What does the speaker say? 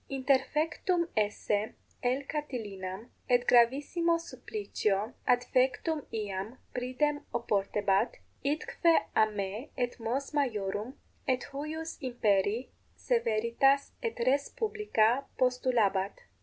Interfectum esse L. Catilinam et gravissimo supplicio adfectum iam pridem oportebat, idque a me et mos maiorum et huius imperii severitas et res publica postulabat.